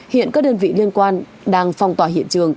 hiện các đơn vị liên quan đang phong tỏa hiện trường